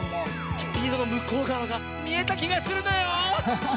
スピードのむこうがわがみえたきがするのよ！